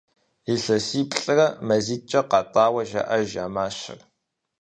Илъэсиплӏрэ мазитӏкӏэ къатӏауэ жаӏэж а мащэр.